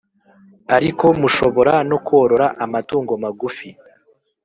ariko mushobora no korora amatungo magufi,